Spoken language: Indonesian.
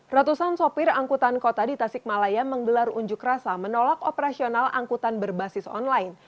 ratusan sopir angkutan kota di tasikmalaya menggelar unjuk rasa menolak operasional angkutan berbasis online